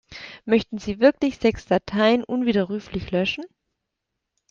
Möchten Sie wirklich sechs Dateien unwiderruflich löschen?